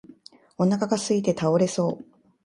お腹がすいて倒れそう